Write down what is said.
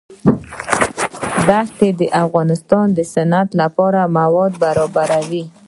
دښتې د افغانستان د صنعت لپاره مواد برابروي.